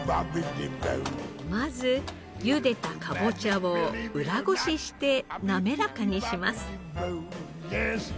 まずゆでたかぼちゃを裏ごしして滑らかにします。